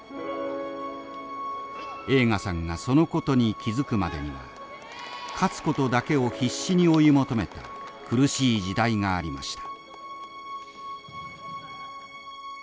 栄花さんがそのことに気付くまでには勝つことだけを必死に追い求めた苦しい時代がありました。